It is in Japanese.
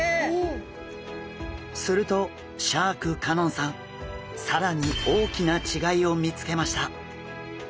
するとシャーク香音さん更に大きな違いを見つけました。